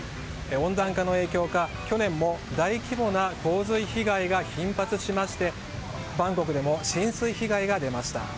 温暖化の影響か去年も大規模な洪水被害が頻発しましてバンコクでも浸水被害が出ました。